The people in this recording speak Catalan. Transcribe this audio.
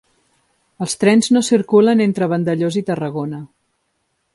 Els trens no circulen entre Vandellòs i Tarragona